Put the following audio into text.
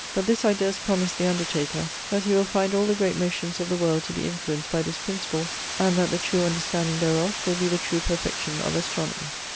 But this I durst promise the undertaker; that he will find all the great motions of the world to be influenced by this principle, and that the true understanding thereof will be the true perfection of Astronomy.'